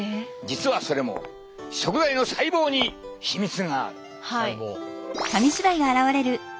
実はそれも食材の細胞に秘密がある。